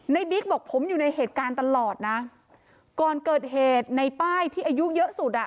บิ๊กบอกผมอยู่ในเหตุการณ์ตลอดนะก่อนเกิดเหตุในป้ายที่อายุเยอะสุดอ่ะ